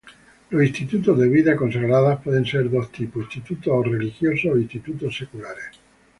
Los Institutos de Vida consagrada pueden ser dos tipos: Institutos religiosos o Institutos seculares.